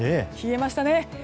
冷えましたね。